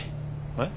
えっ？